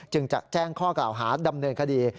จะแจ้งข้อกล่าวหาดำเนินคดี